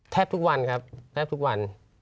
แทบทุกวันครับแทบทุกวัน